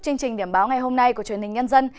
chương trình điểm báo ngày hôm nay của truyền hình nhân dân